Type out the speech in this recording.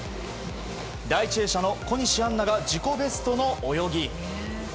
第１泳者の小西杏奈が自己ベストの泳ぎ。